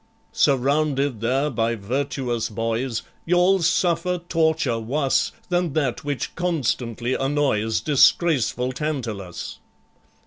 "Surrounded there by virtuous boys, You'll suffer torture wus Than that which constantly annoys Disgraceful TANTALUS.